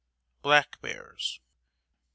BLACK BEARS. 2.